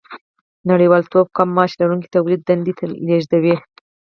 نړیوالتوب کم معاش لرونکي تولیدي دندې لېږدوي